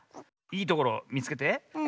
いいところみつけて。